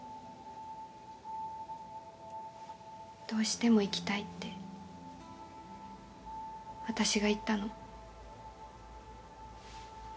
どうしても行きたいって私が言ったの。